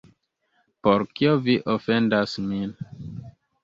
Por kio vi ofendas min?